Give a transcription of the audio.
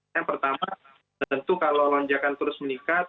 yang pertama tentu kalau lonjakan terus meningkat